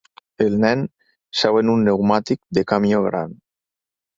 El nen seu en un pneumàtic de camió gran